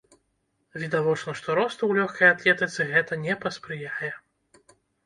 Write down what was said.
Відавочна, што росту ў лёгкай атлетыцы гэта не паспрыяе.